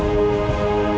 tidak raja arta